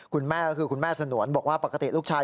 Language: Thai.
คุณแม่ก็คือคุณแม่สนวนบอกว่าปกติลูกชาย